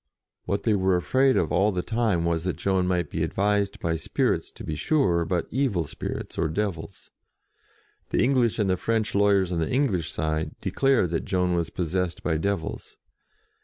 What they were afraid of all the time was that Joan might be advised by spirits, to be sure, but evil spirits or devils. The English and the French lawyers on the English side, de clared that Joan was possessed by devils.